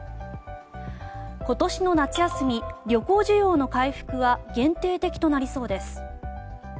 今年の夏休み旅行需要の回復は限定的となりそうです。